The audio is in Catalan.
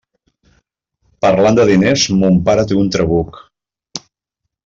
Parlant de diners, mon pare té un trabuc.